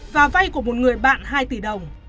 và vay của một người bạn hai tỷ đồng